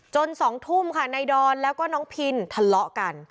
๒ทุ่มค่ะนายดอนแล้วก็น้องพินทะเลาะกัน